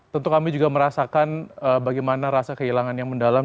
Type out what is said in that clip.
tentu kami juga merasakan bagaimana rasa kehilangan yang mendalam